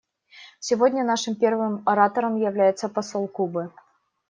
Сегодня нашим первым оратором является посол Кубы.